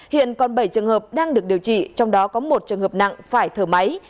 hiện còn bảy trường hợp đang được điều trị trong đó có một trường hợp nặng phải thở máy